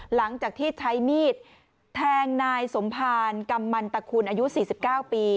หลังจากที่ใช้มีดแทงนายสมภารกำมันตะคุณอายุ๔๙ปี